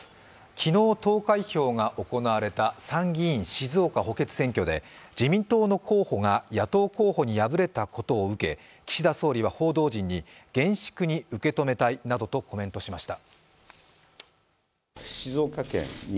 昨日投開票が行われた参議院静岡補欠選挙で自民党の候補が野党候補に敗れたことを受け、岸田総理は報道陣に厳粛に受け止めたいなどとコメントしました。